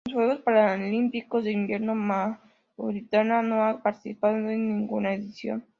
En los Juegos Paralímpicos de Invierno Mauritania no ha participado en ninguna edición.